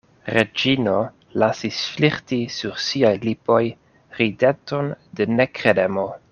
Reĝino lasis flirti sur siaj lipoj rideton de nekredemo.